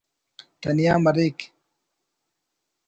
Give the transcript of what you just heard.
تنیا مریک